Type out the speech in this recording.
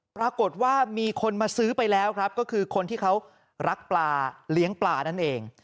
ปรากฏว่ามีคนมาซื้อไปแล้วครับก็คือคนที่เขารักปลาเลี้ยงปลานั่นเอง